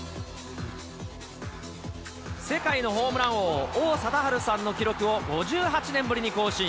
世界のホームラン王、王貞治さんの記録を５８年ぶりに更新。